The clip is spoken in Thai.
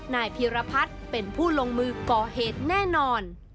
นายพีรพัฒน์เป็นผู้ลงมือก่อเหตุแน่นอน